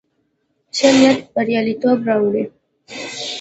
ښه نيت برياليتوب راوړي.